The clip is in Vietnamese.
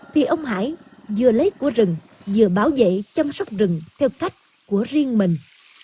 thì ông hải vừa lấy của rừng vừa bảo vệ chăm sóc rừng theo cách của riêng mình